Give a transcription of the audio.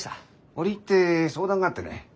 折り入って相談があってね。